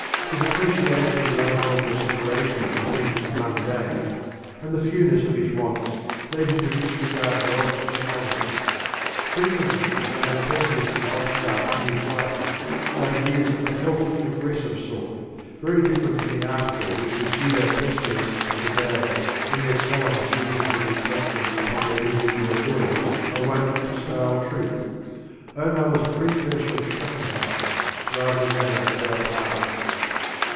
His appreciation of the unavoidable separation from things mundane, and the fewness of his wants, led him to disregard wealth and honors. Frequently a vein of pessimism crops out in his writings, but it is of a healthy aggres sive sort, very different from the article which the pseudo pessimists of the day, in their solemn seasons of retiection upon their individual ills, are wont to style truth ; Omar was a precursor of Schopenhauer, rather than of Leopardi.